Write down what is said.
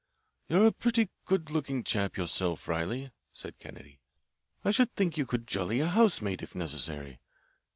"You're a pretty good looking chap yourself, Riley," said Kennedy. "I should think you could jolly a housemaid, if necessary.